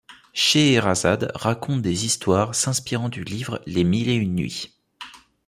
Schéhérazade raconte des histoires s'inspirant du livre Les Mille et Une Nuits.